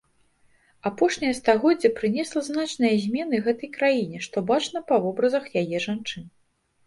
Апошняе стагоддзе прынесла значныя змены гэтай краіне, што бачна па вобразах яе жанчын.